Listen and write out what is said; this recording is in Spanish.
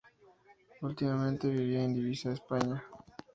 Últimamente vivía en Ibiza, España.